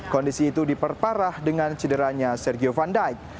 kondisi itu diperparah dengan cederanya sergio van dijk